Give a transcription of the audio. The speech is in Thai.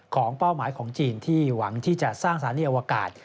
เป้าหมายของจีนที่หวังที่จะสร้างสถานีอวกาศ